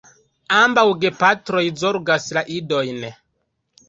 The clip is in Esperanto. Ambaŭ gepatroj zorgas la idojn.